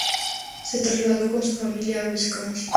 Se trasladó con su familia a Wisconsin.